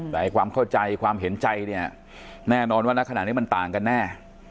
แต่ความเข้าใจความเห็นใจเนี่ยแน่นอนว่าณขณะนี้มันต่างกันแน่